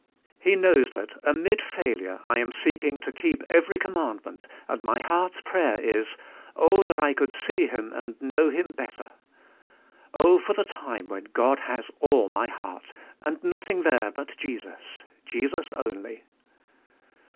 He knows that, amid failure, I am seeking to keep every commandment, and my heart's prayer is, Oh, that I could see Him and know Him better! Oh, for the time when God has all my heart; and nothing there but Jesus, Je sus only."